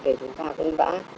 thì chúng ta cũng đã